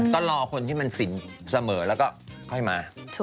ก็รอคนที่มันสินเสมอแล้วก็ค่อยมา